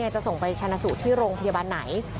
จะส่งไปชนะสูตรที่โรงพยาบาลไหน